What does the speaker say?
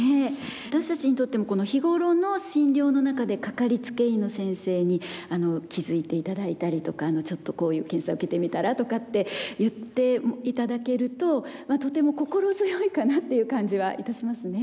私たちにとっても日頃の診療の中でかかりつけ医の先生に気付いて頂いたりとか「ちょっとこういう検査受けてみたら」とかって言って頂けるととても心強いかなという感じはいたしますね。